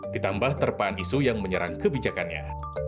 ditambah terpaan isu yang menyerang kebijakannya